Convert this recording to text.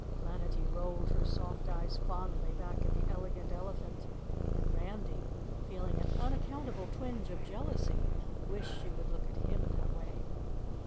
Planetty rolled her soft eyes fondly back at the Elegant Elephant, and Randy, feeling an unaccountable twinge of jealousy, wished she would look at him that way.